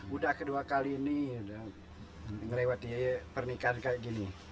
sudah kedua kali ini sudah merewati pernikahan seperti ini